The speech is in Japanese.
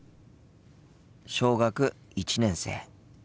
小学１年生。